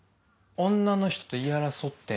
女の人と言い争って。